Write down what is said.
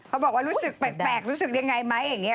เขาบอกว่ารู้สึกแปลกรู้สึกยังไงไหมอย่างนี้